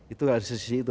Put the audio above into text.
itu dari sisi itu